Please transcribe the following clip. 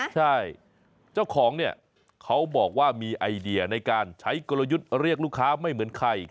ใช่เจ้าของเนี่ยเขาบอกว่ามีไอเดียในการใช้กลยุทธ์เรียกลูกค้าไม่เหมือนใคร